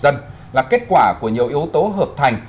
điện biên phủ là kết quả của nhiều yếu tố hợp thành